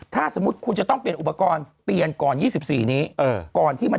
ถ้าสมมติคุณจะต้องเปลี่ยนอุปกรณ์เปลี่ยนก่อน๒๔นี้